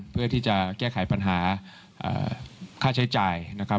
เพื่อที่จะแก้ไขปัญหาค่าใช้จ่ายนะครับ